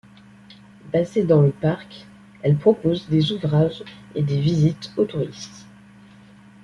Basée dans le parc, elle propose des ouvrages et des visites aux touristes.